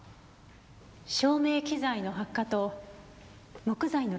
照明機材の発火と木材の落下事故。